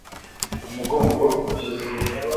umugongo n’izindi